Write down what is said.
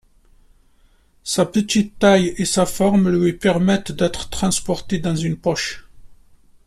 Sa petite taille et sa forme lui permettent d'être transportée dans une poche.